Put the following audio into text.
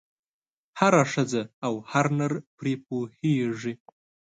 هره ښځه او هر نر پرې پوهېږي.